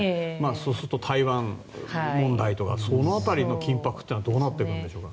そうすると、台湾問題とかその辺りの緊迫というのはどうなっていくんでしょうか？